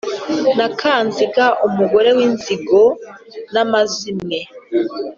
Na Kanziga umugore w'inzigo n'amazimwe